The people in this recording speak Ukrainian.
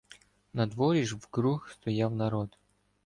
Надворі ж вкруг стояв народ.